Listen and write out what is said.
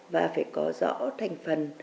và phải có rõ thành phần